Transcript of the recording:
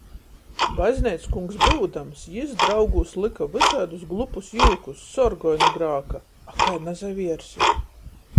Bazneickungs byudams, jis draugūs lyka vysaidus glupus jūkus, sorgoj nu grāka! A kai nasaviersi?